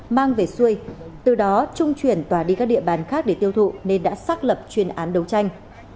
mang về xuôi từ đó trung chuyển tòa đi các địa bàn khác để tiêu thụ nên đã xác lập chuyên án đấu tranh